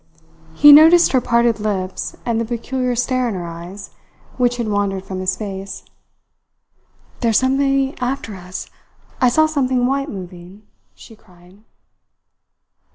He noticed her parted lips, and the peculiar stare in her eyes, which had wandered from his face. "There's somebody after us. I saw something white moving," she cried.